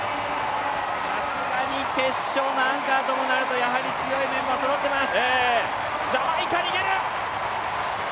さすがに決勝、アンカーともなると、強いメンバーがそろっています。